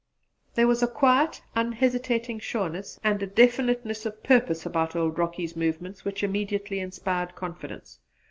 There was a quiet unhesitating sureness and a definiteness of purpose about old Rocky's movements which immediately inspired confidence.